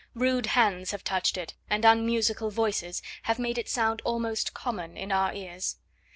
Rude hands have touched it, and unmusical voices have made it sound almost common in our ears.